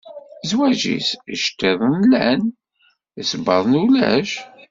Zwaǧ-is iceṭṭiḍen llan, isebbaḍen ulac.